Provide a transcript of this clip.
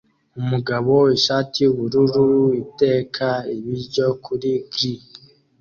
Umugabo ishati yubururu iteka ibiryo kuri grill